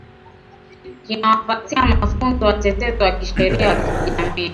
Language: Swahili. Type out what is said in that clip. kinawapatia mafunzo watetezi wa kisheria wa kijamii